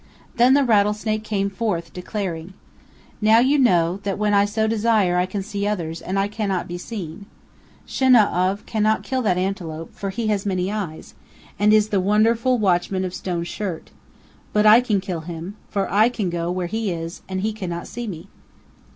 Then the Rattlesnake came forth declaring: "Now you know that when I so desire I can see others and I cannot be seen. Shinau'av cannot kill that antelope, for he has many eyes, and is the wonderful watchman of Stone Shirt; but I can kill him, for I can go where he is and he cannot see me."